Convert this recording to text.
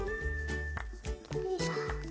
よいしょ。